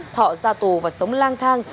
thọ ra tù và sống lang thang